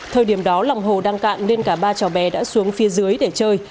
thời điểm đó lòng hồ đang cạn nên cả ba cháu bé đã xuống phía dưới để chơi